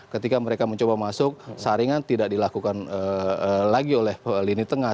ketika mereka mencoba masuk saringan tidak dilakukan lagi oleh lini tengah